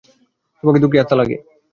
তোমাকে দুঃখী আত্মা লাগে।